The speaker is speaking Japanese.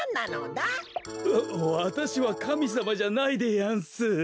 わたしはかみさまじゃないでやんす。